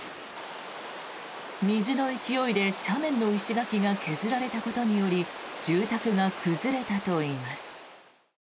水の勢いで斜面の石垣が削られたことにより住宅が崩れたといいます。